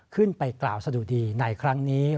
ขึ้นไปกล่าวสะดุดีในครั้งนี้